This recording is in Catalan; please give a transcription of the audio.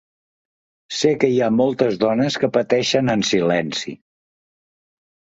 Sé que hi ha moltes dones que pateixen en silenci.